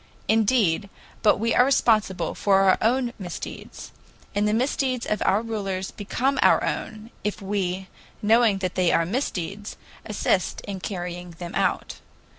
Indeed, but we are responsible for our own misdeeds. And the misdeeds of our rulers become our own, if we, knowing that they are misdeeds, assist in carrying, them out.